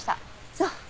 そう。